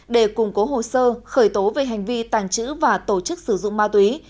để củng cố hồ sơ khởi tố về hành vi tàng trữ và tổ chức sử dụng ma túy